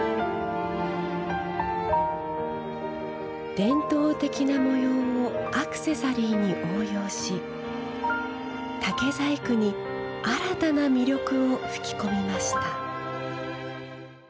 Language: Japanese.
伝統的な模様をアクセサリーに応用し竹細工に新たな魅力を吹き込みました。